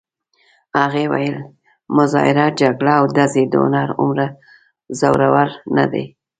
هغې ویل: مظاهره، جګړه او ډزې د هنر هومره زورور نه دي.